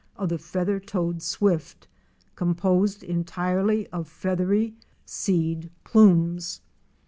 143 of the Feather toed Swift" composed entirely of feathery seed plumes.